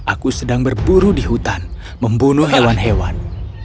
aku sedang berburu di hutan membunuh hewan hewan